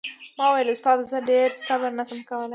ما وويل استاده زه ډېر صبر نه سم کولاى.